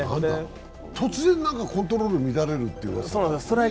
突然コントロール乱れるというのが。